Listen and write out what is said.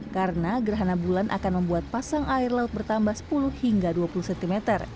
karena gerhana bulan akan membuat pasang air laut bertambah sepuluh hingga dua puluh cm